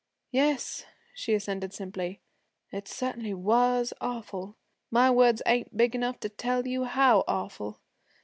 'Yes,' she assented simply, 'it certainly was awful. My words ain't big enough to tell you how awful.